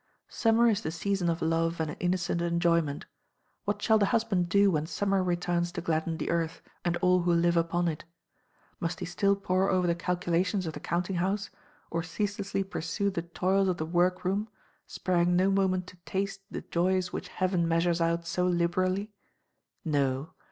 Summer is the season of love and innocent enjoyment. What shall the husband do when summer returns to gladden the earth, and all who live upon it? Must he still pore over the calculations of the counting house, or ceaselessly pursue the toils of the work room sparing no moment to taste the joys which Heaven measures out so liberally? No!